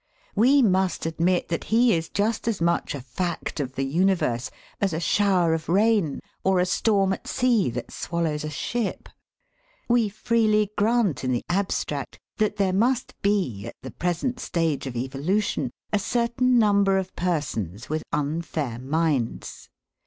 We must admit that he is just as much a fact of the universe as a shower of rain or a storm at sea that swallows a ship. We freely grant in the abstract that there must be, at the present stage of evolution, a certain number of persons with unfair minds.